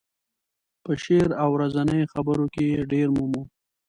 په شعر او ورځنیو خبرو کې یې ډېر مومو.